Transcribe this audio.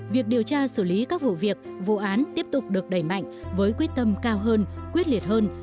việc điều tra xử lý các vụ việc vụ án tiếp tục được đẩy mạnh với quyết tâm cao hơn quyết liệt hơn